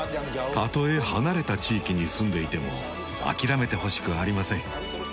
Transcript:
たとえ離れた地域に住んでいても諦めてほしくありません。